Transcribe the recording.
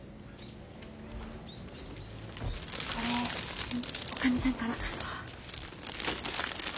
これおかみさんから。